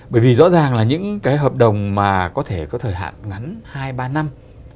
bởi vì rõ ràng là những cái hợp đồng mà có thể có thời hạn ngắn hai ba năm